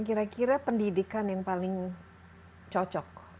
kira kira pendidikan yang paling cocok